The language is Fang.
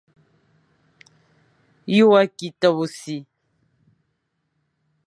Ye wa ki tabe si ?